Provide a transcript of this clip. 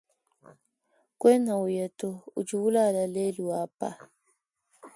Kuena uya to udi ulala lelu apa.